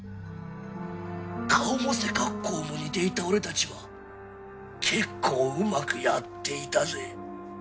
顔も背格好も似ていた俺たちは結構うまくやっていたぜ。